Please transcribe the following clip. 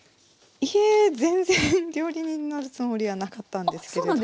いえ全然料理人になるつもりはなかったんですけれども。